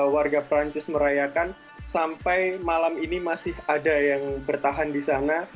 warga perancis merayakan sampai malam ini masih ada yang bertahan di sana